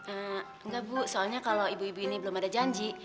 enggak bu soalnya kalau ibu ibu ini belum ada janji